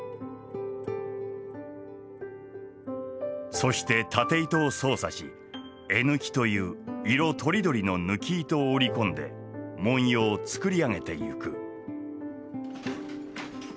そして経糸を操作し絵緯という色とりどりの緯糸を織り込んで文様を作り上げてゆく。